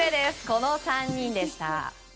この３人でした。